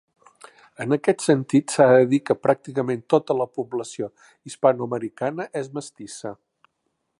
En aquest últim sentit s'ha dit que pràcticament tota la població hispanoamericana és mestissa.